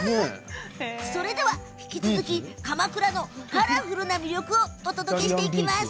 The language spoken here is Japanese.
それでは引き続き鎌倉のカラフルな魅力をお届けしていきます。